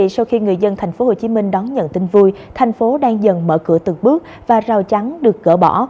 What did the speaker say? sau khi người dân tp hcm đón nhận tin vui thành phố đang dần mở cửa từng bước và rào chắn được gỡ bỏ